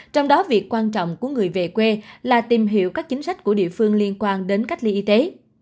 trong đó việc quan trọng của người về quê là tìm hiểu các chính sách của địa phương liên quan đến cách ly y tế